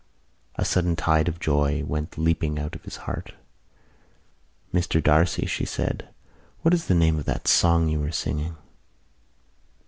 A sudden tide of joy went leaping out of his heart. "Mr D'Arcy," she said, "what is the name of that song you were singing?"